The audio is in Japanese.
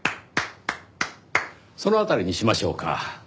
その辺りにしましょうか。